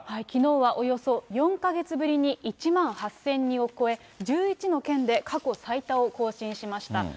きのうはおよそ４か月ぶりに１万８０００人を超え、１１の県で過去最多を更新しました。